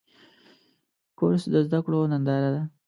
کورس د زده کړو ننداره ده.